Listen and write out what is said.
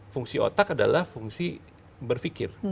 fungsi otak adalah fungsi berpikir